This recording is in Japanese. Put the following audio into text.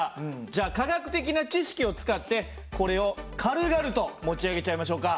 じゃあ科学的な知識を使ってこれを軽々と持ち上げちゃいましょうか。